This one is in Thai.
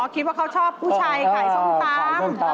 คิดว่าเขาชอบผู้ชายขายส้มตำ